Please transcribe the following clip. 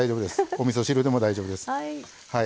おみそ汁でも大丈夫です。